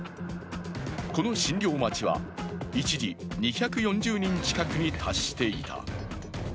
この診療待ちは一時、２４０人近くに達していた。